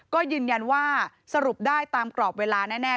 ก็ยืนยันว่าสรุปได้ตามกรอบเวลาแน่